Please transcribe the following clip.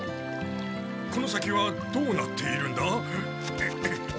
この先はどうなっているんだ？